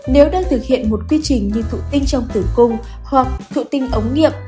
nếu đang thực hiện một quyết trình như thụ tinh trong tử cung hoặc thụ tinh ống nghiệp